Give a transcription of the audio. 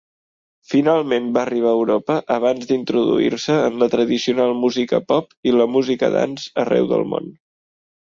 Finalment va arribar a Europa abans d'introduir-se en la tradicional música pop i la música dance arreu del món.